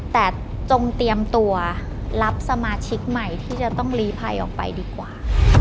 แต่จงเตรียมตัวรับสมาชิกใหม่ที่จะต้องลีภัยออกไปดีกว่า